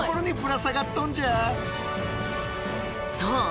そう！